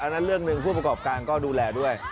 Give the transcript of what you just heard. นั่นเรื่องหนึ่งผู้ประกอบการก็ดูแลด้วย